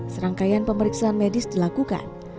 serangkaian pemeriksaan medis dilakukan